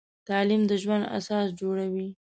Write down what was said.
تعلیم د ژوند اساس جوړوي.